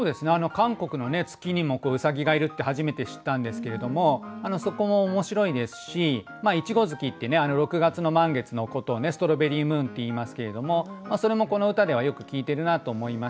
韓国の月にも兎がいるって初めて知ったんですけれどもそこも面白いですし苺月ってね６月の満月のことをストロベリームーンって言いますけれどもそれもこの歌ではよく効いてるなって思いましたね。